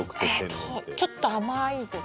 ちょっと甘いとか？